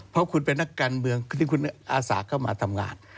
เพราะคุณเป็นนักการเมืองที่คุณอาสาเข้ามาทำงาน